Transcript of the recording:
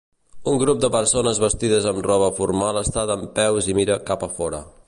Un grup de persones vestides amb roba formal està dempeus i mira cap a fora.